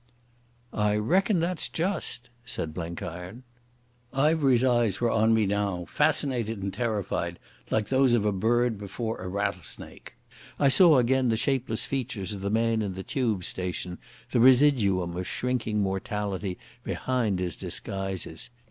"I reckon that's just," said Blenkiron. Ivery's eyes were on me now, fascinated and terrified like those of a bird before a rattlesnake. I saw again the shapeless features of the man in the Tube station, the residuum of shrinking mortality behind his disguises.